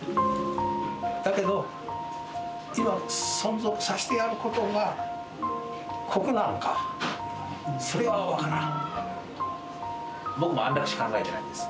だけど、今、存続させてやることが酷なのか、それは分からん。